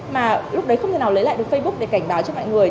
mà lúc đấy không thể nào lấy lại được facebook để cảnh báo cho mọi người